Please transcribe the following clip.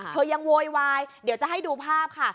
ยังโวยวายเดี๋ยวจะให้ดูภาพค่ะ